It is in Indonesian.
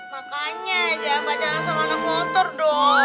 makanya jangan pacaran sama anak motor dong